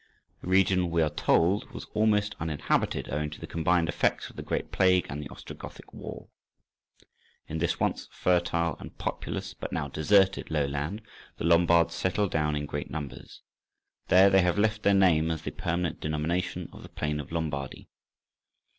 The region, we are told, was almost uninhabited owing to the combined effects of the great plague and the Ostrogothic war. In this once fertile and populous, but now deserted, lowland, the Lombards settled down in great numbers. There they have left their name as the permanent denomination of the plain of Lombardy.